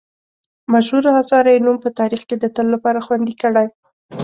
مشهورو اثارو یې نوم په تاریخ کې د تل لپاره خوندي کړی.